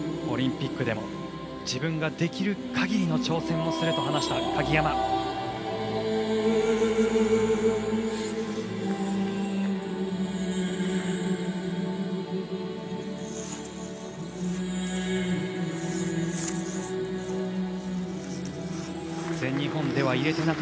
オリンピックでも自分ができる限りの挑戦をしたいと話していた鍵山です。